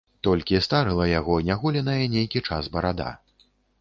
Толькі старыла яго няголеная нейкі час барада.